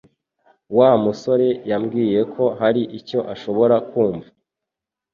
Wa musore yambwiye ko hari icyo ashobora kumva